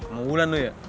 mau bulan lu ya